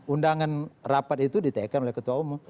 undangan rapat itu ditekan oleh ketua umum